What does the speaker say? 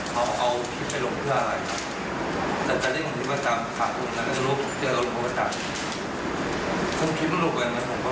ผมก็ไม่รู้ใช่ทำไมครับเพอ